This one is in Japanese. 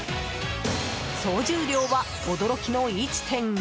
総重量は、驚きの１．５ｋｇ。